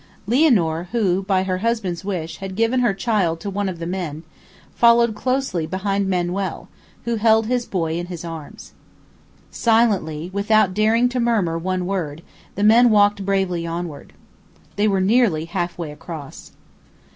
Lianor, who, by her husband's wish, had given her child to one of the men, followed closely behind Manuel, who held his boy in his arms. Silently, without daring to murmur one word, the men walked bravely onward. They were nearly half way across.